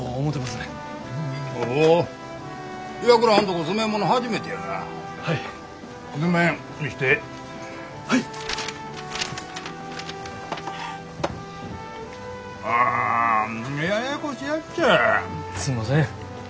すいません。